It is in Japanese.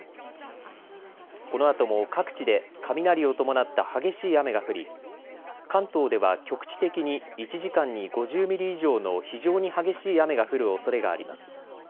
このあとも各地で雷を伴った激しい雨が降り関東では局地的に１時間に５０ミリ以上の非常に激しい雨が降るおそれがあります。